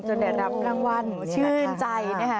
ได้รับรางวัลชื่นใจนะคะ